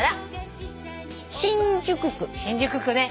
新宿区ね。